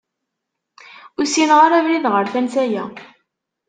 Ur ssineɣ ara abrid ɣer tansa-a.